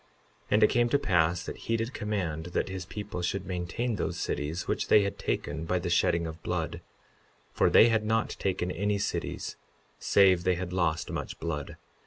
52:4 And it came to pass that he did command that his people should maintain those cities, which they had taken by the shedding of blood; for they had not taken any cities save they had lost much blood.